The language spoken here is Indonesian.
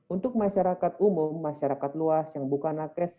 untuk masyarakat umum masyarakat luas yang bukan nakes